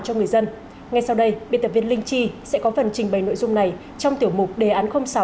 cho người dân ngay sau đây biên tập viên linh chi sẽ có phần trình bày nội dung này trong tiểu mục đề án sáu